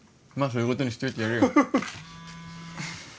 そういうことにしといてやるよ